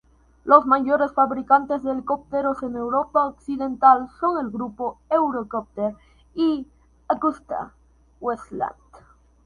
Los mayores fabricantes de helicópteros en Europa Occidental son el Grupo Eurocopter y AgustaWestland.